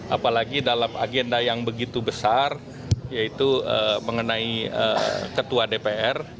apalagi dalam agenda yang begitu besar yaitu mengenai ketua dpr